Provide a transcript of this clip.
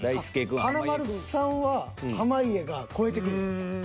華丸さんは濱家が超えてくる？